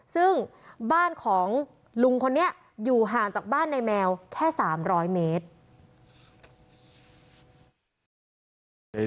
ซึ่งบ้านของลุงคนนี้อยู่ห่างจากบ้านในแมวแค่๓๐๐เมตร